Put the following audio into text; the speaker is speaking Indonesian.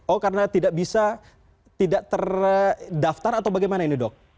oh karena tidak bisa tidak terdaftar atau bagaimana ini dok